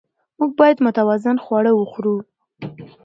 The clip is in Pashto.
موږ باید متوازن خواړه وخورو